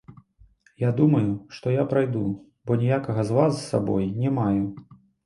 Я думаю, што я прайду, бо ніякага зла з сабой не маю.